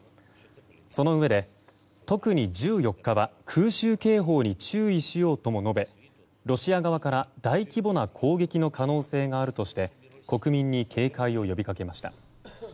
そのうえで、特に１４日は空襲警報に注意しようとも述べロシア側から大規模な攻撃の可能性があるとして国民に警戒を呼びかけました。